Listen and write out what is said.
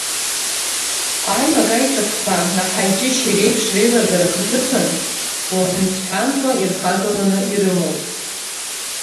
Аимак-аиҿакқәа, аҳаи-аҷышьи реиԥш реилыргара ахаҭыԥан уҳәан-сҳәанқәа ирхагаланы ирымоуп.